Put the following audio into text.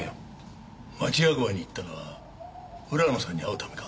町役場に行ったのは浦野さんに会うためか？